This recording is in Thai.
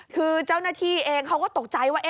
คือเจ้าหน้าที่เองเขาก็ตกใจว่า